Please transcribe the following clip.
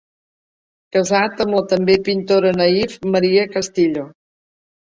Casat amb la també pintora naïf Maria Castillo.